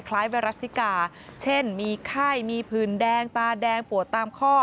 ไวรัสซิกาเช่นมีไข้มีผื่นแดงตาแดงปวดตามข้อ